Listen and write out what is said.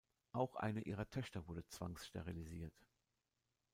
Auch eine ihrer Töchter wurde zwangssterilisiert.